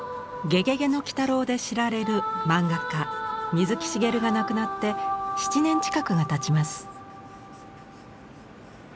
「ゲゲゲの鬼太郎」で知られる漫画家水木しげるが亡くなって７年近くがたちます。